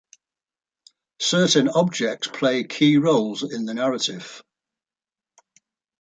Certain objects play key roles in the narrative.